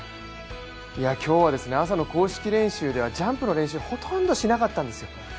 今日は朝の公式練習ではジャンプの練習、ほとんどしなかったんですよ。